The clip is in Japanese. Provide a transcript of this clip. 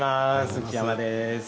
内山です。